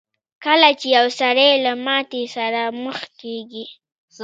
کله چې يو سړی له ماتې سره مخ کېږي.